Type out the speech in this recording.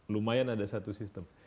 lumayan ada satu sistem